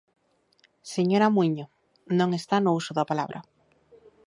Señora Muíño, non está no uso da palabra.